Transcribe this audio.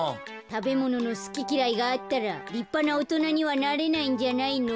たべもののすききらいがあったらりっぱなおとなにはなれないんじゃないの？